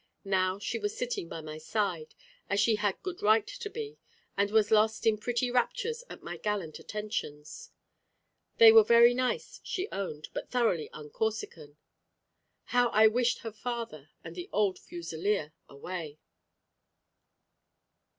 Now she was sitting by my side, as she had good right to be, and was lost in pretty raptures at my gallant attentions. They were very nice, she owned, but thoroughly un Corsican. How I wished her father and the old fusileer away!